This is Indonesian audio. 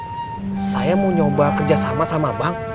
sob saya mau nyoba kerja sama sama bang